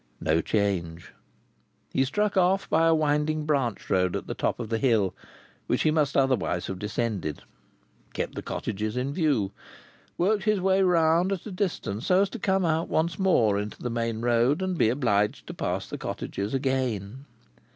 No change. He struck off by a winding branch road at the top of the hill—which he must otherwise have descended—kept the cottages in view, worked his way round at a distance so as to come out once more into the main road and be obliged to pass the cottages again.